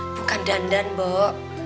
bukan dandan bok